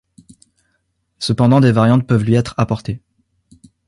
Cependant des variantes peuvent lui être apportées.